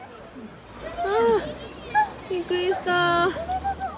あー、びっくりした。